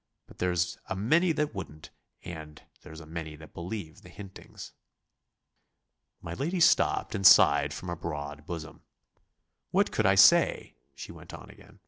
But there's a many that wouldn't, and there's a many that believe the hintings.'" My lady stopped and sighed from a broad bosom. "What could I say?" she went on again.